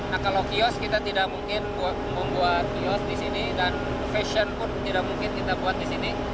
nah kalau kios kita tidak mungkin membuat kios di sini dan fashion pun tidak mungkin kita buat di sini